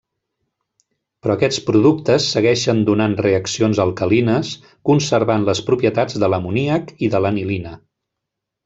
Però aquests productes segueixen donant reaccions alcalines conservant les propietats de l'amoníac i de l'anilina.